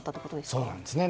そうですね。